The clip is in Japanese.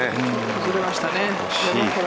崩れましたね。